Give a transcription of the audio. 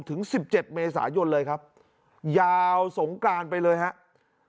ถึง๑๗เมษายนเลยครับยาวสงกรานไปเลยครับ